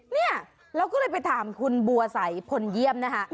เนี่ยเราก็เลยไปถามคุณบัวสัยพลเยี่ยมนะคะ